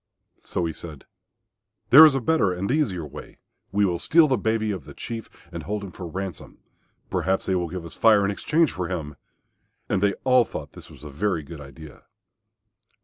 So he said, "There is a better and easier way. We will steal the baby of the Chief and hold him for ransom. Perhaps they will give us Fire in exchange for him," and they all thought this was a very good idea.